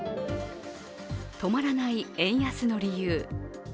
止まらない円安の理由。